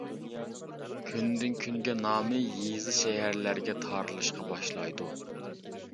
كۈندىن-كۈنگە نامى يېزا، شەھەرلەرگە تارىلىشقا باشلايدۇ.